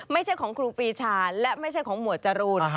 ไม่ใช่ของครูปีชาและไม่ใช่ของหมวดจรูน